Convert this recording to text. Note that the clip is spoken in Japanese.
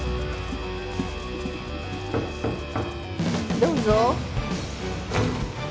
どうぞ。